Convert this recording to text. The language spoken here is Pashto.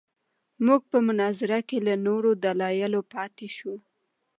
موږ په مناظره کې له نورو دلایلو پاتې شوو.